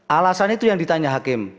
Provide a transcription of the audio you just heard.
alasannya itu yang ditanya hakim